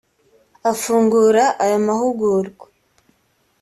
Afungura aya mahugurwa